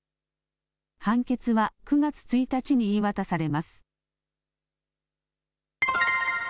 判決は９月１日に言い渡されます。